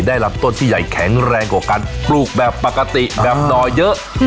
ลำต้นที่ใหญ่แข็งแรงกว่าการปลูกแบบปกติแบบหน่อเยอะ